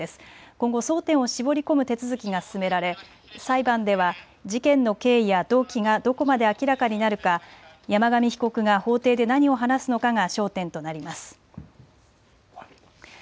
今後争点を絞り込む手続きが進められ裁判では事件の経緯や動機がどこまで明らかになるか山上被告が法廷で何を話すのかが焦点となります。